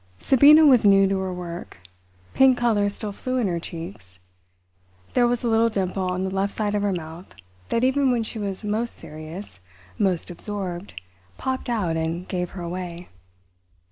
Sabina was new to her work. Pink colour still flew in her cheeks; there was a little dimple on the left side of her mouth that even when she was most serious, most absorbed, popped out and gave her away.